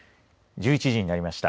１１時になりました。